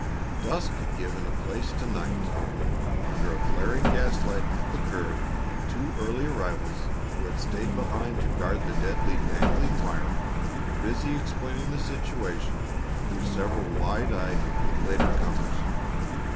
Dusk had given place to night. Under a flaring gas light at the curb two early arrivals, who had stayed behind to guard the deadly, dangling wire, were busy explaining the situation to several wide eyed later comers.